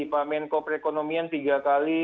pak menko perekonomian tiga kali